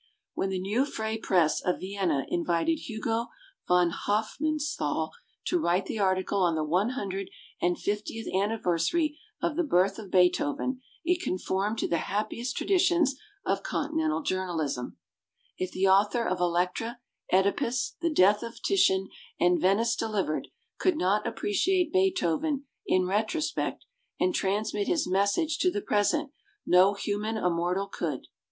with God for his people and yet was a stammerer. When the "Neue Freie Presse" of Vienna invited Hugo von Hofmanns thal to write the article on the one hundred and fiftieth anniversary of the birth of Beethoven, it conformed to the happiest traditions of conti nental journalism. If the author of "Elektra", "(Edipus", "The Death of Titian", and "Venice Delivered" could not appreciate Beethoven in retrospect and transmit his message to the pres ent, no human immortal could.